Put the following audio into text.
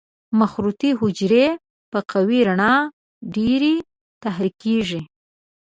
مخروطي حجرې په قوي رڼا ډېرې تحریکېږي.